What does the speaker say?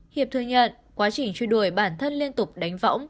hiệp thừa nhận quá trình truy đuổi bản thân liên tục đánh võng